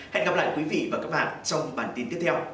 hẹn gặp lại quý vị và các bạn trong bản tin tiếp theo